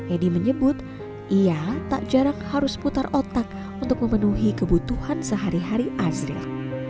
edi menyebut ia tak jarang harus putar otak untuk memenuhi kebutuhan sehari hari azril